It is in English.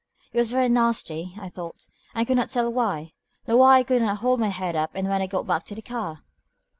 It was very nasty, I thought, and could not tell why, nor why I could not hold my head up when I got back to the car."